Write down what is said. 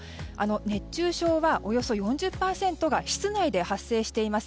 熱中症はおよそ４０％が室内で発生しています。